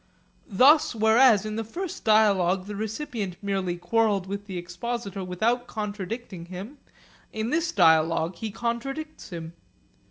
Thus whereas in the first dialogue the recipient merely quarrelled with the expositor without contradicting him, in this dialogue he contradicts him.